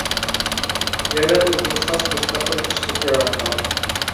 يەنە ئۆزىگە خاس مۇستەقىل ئۇسلۇب ياراتقان.